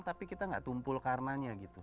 tapi kita gak tumpul karenanya gitu